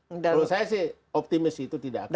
menurut saya sih optimis itu tidak akan ada